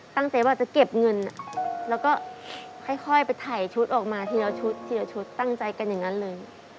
ตั้งใจว่าจะเก็บเงินแล้วก็ค่อยไปถ่ายชุดออกมาทีละชุดทีละชุดตั้งใจกันอย่างนั้นเลย